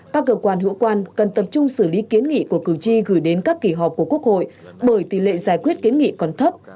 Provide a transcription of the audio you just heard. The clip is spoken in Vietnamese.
các cơ quan hữu quan cần tập trung xử lý kiến nghị của cử tri gửi đến các kỳ họp của quốc hội bởi tỷ lệ giải quyết kiến nghị còn thấp